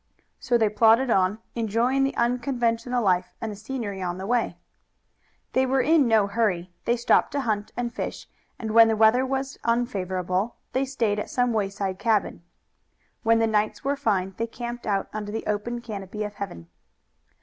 So they plodded on, enjoying the unconventional life and the scenery on the way. They were in no hurry. They stopped to hunt and fish, and when the weather was unfavorable they stayed at some wayside cabin. When the nights were fine they camped out under the open canopy of heaven.